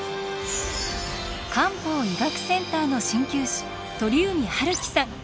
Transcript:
漢方医学センターの鍼灸師鳥海春樹さん。